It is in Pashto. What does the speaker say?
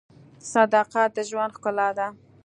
• صداقت د ژوند ښکلا ده.